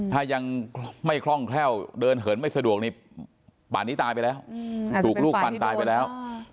ถ้ายังไม่คล่องแคล่วเดินเหินไม่สะดวกนี่ป่านนี้ตายไปแล้วถูกลูกฟันตายไปแล้ว